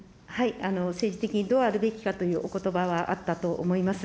政治的にどうあるべきかというおことばはあったと思います。